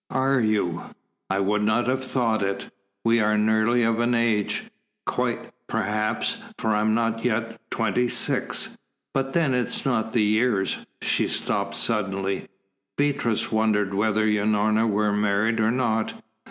"Are you? I would not have thought it we are nearly of an age quite, perhaps, for I am not yet twenty six. But then, it is not the years " She stopped suddenly. Beatrice wondered whether Unorna were married or not.